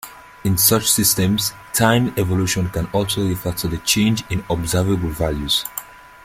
In such systems, time evolution can also refer to the change in observable values.